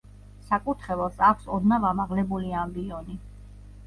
საკურთხეველს აქვს ოდნავ ამაღლებული ამბიონი.